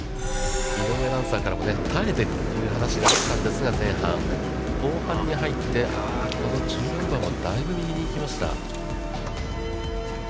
井上アナウンサーからも耐えてという話があったんですが、前半、後半に入ってこの１４番もだいぶ右に行きました。